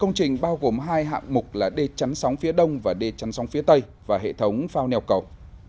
công trình bao gồm hai hạng mục là đê chắn sóng phía đông và đê chắn sóng phía tây và hệ thống phao neo cầu